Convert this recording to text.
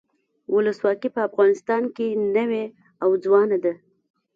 ولسواکي په افغانستان کې نوي او ځوانه ده.